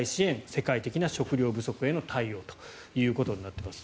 世界的な食糧不足への対応ということになっています。